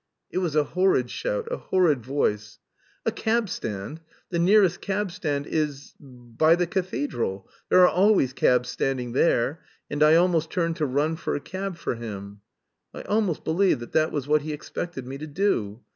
It was a horrid shout! A horrid voice! "A cab stand? The nearest cab stand is... by the Cathedral; there are always cabs standing there," and I almost turned to run for a cab for him. I almost believe that that was what he expected me to do.